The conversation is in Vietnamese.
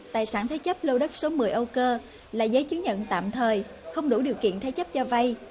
tài sản thái chấp lâu đất số một mươi âu cơ là giấy chứng nhận tạm thời không đủ điều kiện thái chấp cho vây